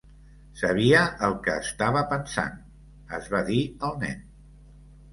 "Sabia el que estava pensant" es va dir el nen.